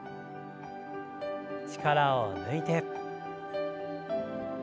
力を抜いて。